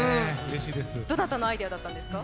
どなたのアイデアだったんですか？